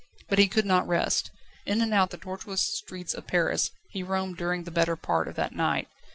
But he could not rest. In and out the tortuous streets of Paris he roamed during the better part of that night.